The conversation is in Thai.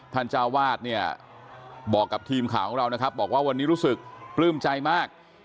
เจ้าวาดเนี่ยบอกกับทีมข่าวของเรานะครับบอกว่าวันนี้รู้สึกปลื้มใจมาก